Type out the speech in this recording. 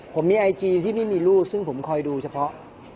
ผมมีไอจีที่ไม่มีลูกซึ่งผมคอยดูเฉพาะ